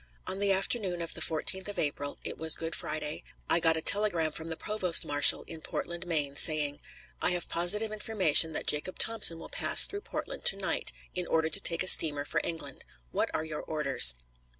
On the afternoon of the 14th of April it was Good Friday I got a telegram from the provost marshal in Portland, Me., saying: "I have positive information that Jacob Thompson will pass through Portland to night, in order to take a steamer for England. What are your orders?"